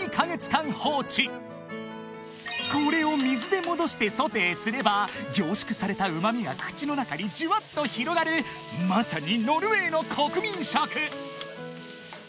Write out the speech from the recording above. ［これを水で戻してソテーすれば凝縮されたうま味が口の中にじゅわっと広がるまさに］